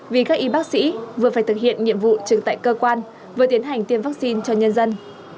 vì các y bác sĩ vừa phải thực hiện nhiệm vụ trực tại cơ quan vừa tiến hành tiêm vaccine cho nhân dân